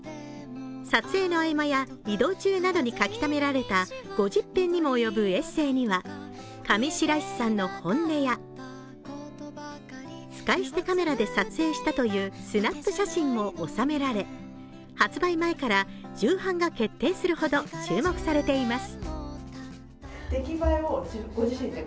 撮影の合間や移動中などに書きためられた、５０編にも及ぶエッセーには上白石さんの本音や使い捨てカメラで撮影したというスナップ写真も収められ発売前から重版が決定するほど注目されています。